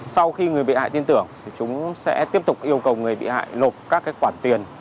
sau khi người bị hại tin tưởng chúng sẽ tiếp tục yêu cầu người bị hại lột các quản tiền